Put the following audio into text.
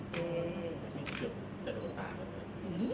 ขอเชียร์